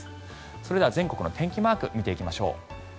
それでは、全国の天気マークを見ていきましょう。